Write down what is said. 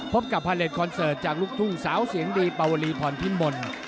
พบกับพาเลสคอนเสิร์ตจากลูกทุ่งสาวเสียงดีปวรีพรพิมล